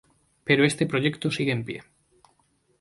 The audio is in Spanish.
Pero este proyecto sigue en pie.